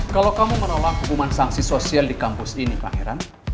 kalau kamu menolak hukuman sanksi sosial di kampus ini kak heran